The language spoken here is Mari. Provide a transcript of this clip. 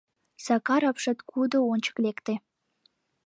Сакар апшаткудо ончык лекте.